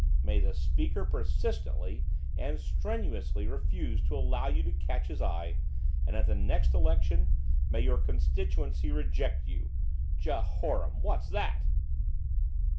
May the Speaker persistently and strenuously refuse to allow you to catch his eye, and, at the next election, may your constituency reject you! Jehoram! what's that?